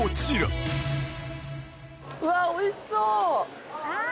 うわっおいしそう！